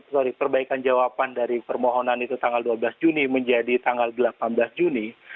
sorry perbaikan jawaban dari permohonan itu tanggal dua belas juni menjadi tanggal delapan belas juni